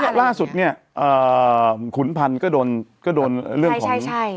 เนี่ยล่าชุดเนี้ยเอ่อขุนพันธุ์ก็โดนก็โดนเรื่องใช่ใช่ใช่